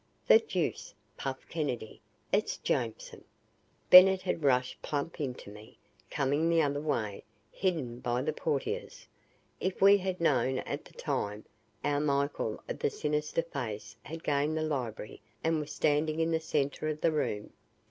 "The deuce!" puffed Kennedy. "It's Jameson!" Bennett had rushed plump into me, coming the other way, hidden by the portieres. If we had known at the time, our Michael of the sinister face had gained the library and was standing in the center of the room.